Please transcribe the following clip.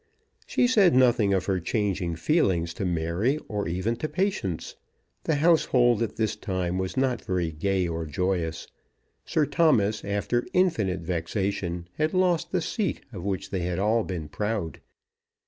She said nothing of her changing feelings to Mary, or even to Patience. The household at this time was not very gay or joyous. Sir Thomas, after infinite vexation, had lost the seat of which they had all been proud.